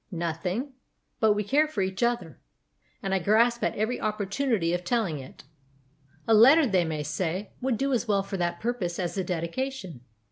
Nothing. But we care for each other, and I grasp at every opportunity of telling it. A letter, they may say, would do as well for that purpose as a dedication.